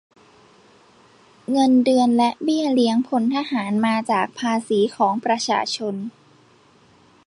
เงินเดือน และเบี้ยเลี้ยงพลทหาร มาจากภาษีของประชาชน